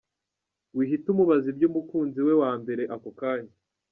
Wihita umubaza iby’umukunzi we wa mbere ako kanya :.